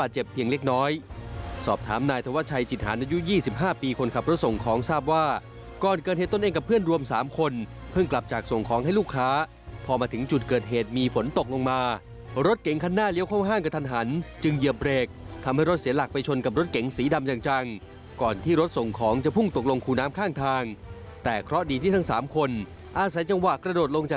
จิตฐานอายุ๒๕ปีคนขับรถส่งของทราบว่าก่อนเกิดเหตุต้นเองกับเพื่อนรวม๓คนเพิ่งกลับจากส่งของให้ลูกค้าพอมาถึงจุดเกิดเหตุมีฝนตกลงมารถเก่งคันหน้าเลี้ยวเข้าห้างกับทันหันจึงเหยียบเบรกทำให้รถเสียหลักไปชนกับรถเก่งสีดำจังก่อนที่รถส่งของจะพุ่งตกลงคู่น้ำข้างทางแต่เคราะห์